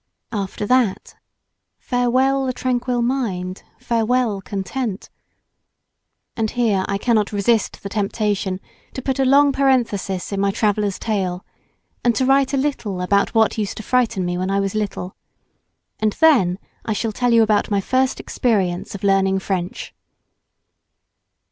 After that, "Farewell the tranquil mind, farewell content." And here I cannot resist the temptation to put a long parenthesis in my traveller's tale, and to write a little about what used to frighten me when I was little. And then I shall tell you about my first experience of learning French.